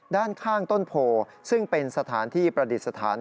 ด้านข้างต้นโพซึ่งเป็นสถานที่ประดิษฐาน